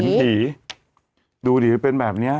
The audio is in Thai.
ผีดูดิเป็นแบบนี้